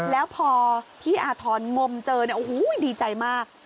แล้วพอพี่อาทรงมเจอโอ้โฮดีใจมาก